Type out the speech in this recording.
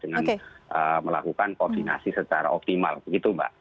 dengan melakukan koordinasi secara optimal begitu mbak